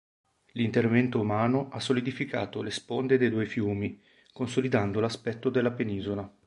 L'intervento umano ha solidificato le sponde dei due fiumi, consolidando l'aspetto della penisola.